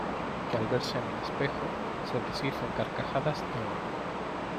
que al verse en el espejo se deshizo en carcajadas de oro.